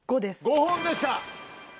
５本でした。